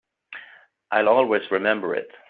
I'll always remember it.